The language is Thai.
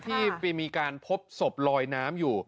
ที่มีการพบศพลอยน้ำอยู่